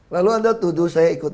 lalu anda tuduh saya ikut